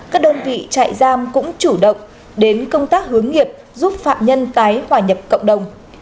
các đơn vị trại giam cũng chủ động đến công tác hướng nghiệp giúp phạm nhân tái hòa nhập cộng đồng